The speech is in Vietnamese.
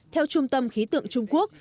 theo trung tâm khí tượng trung quốc